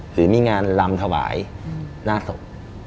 หรือมีงานลำถวายหน้าศพ